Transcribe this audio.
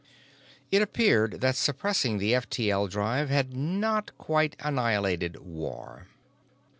It appeared that suppressing the F T L drive had not quite annihilated war.